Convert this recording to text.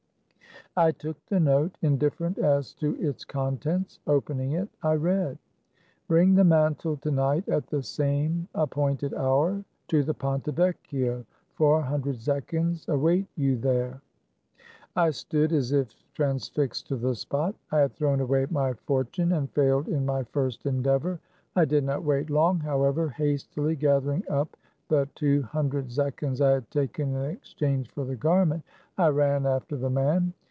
I took the note, indifferent as to its contents. Opening it I read :" Bring the mantle to night, at the same appointed hour, to the Ponte Vecchio ; four hundred zechins await you there." I stood as if transfixed to the spot. I had thrown away my fortune, and failed in my first endeavor. 1 did not wait long, however. Hastily gathering up the two hundred zechins I had taken in exchange for the garment, I ran after the man.